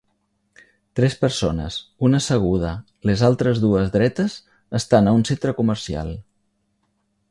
Tres persones, una asseguda, les altres dues dretes, estan a un centre comercial.